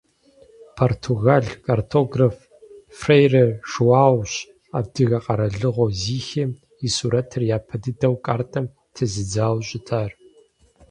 Португал картограф Фрейре Жоаущ адыгэ къэралыгъуэу Зихием и сурэтыр япэ дыдэу картэм тезыдзауэ щытар.